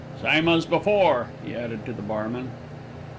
"Same as before," he added to the barman.